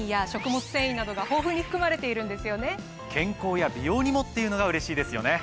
健康や美容にもっていうのがうれしいですよね。